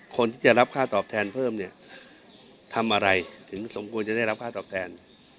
คนที่จะรับค่าตอบแทนเพิ่มเนี่ยทำอะไรถึงสมควรจะได้รับค่าตอบแทน